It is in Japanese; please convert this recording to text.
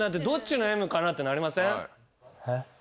えっ？